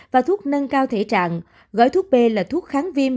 và thuốc nâng cao thể trạng gói thuốc b là thuốc kháng viêm